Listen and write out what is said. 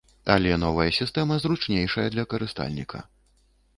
Але новая сістэма зручнейшая для карыстальніка.